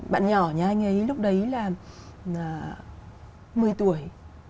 bạn nhỏ nhà anh ấy lúc đấy là một mươi tuổi